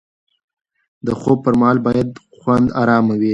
د خوب پر مهال باید خونه ارامه وي.